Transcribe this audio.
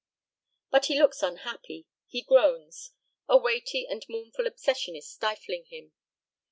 But he looks unhappy; he groans. A weighty and mournful obsession is stifling him.